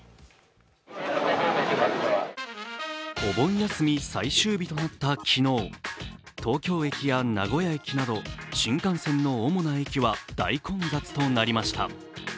お盆休み最終日となった昨日、東京駅や名古屋駅など新幹線の主な駅は大混雑となりました。